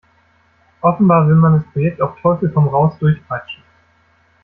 Offenbar will man das Projekt auf Teufel komm raus durchpeitschen.